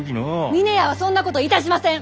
峰屋はそんなこといたしません！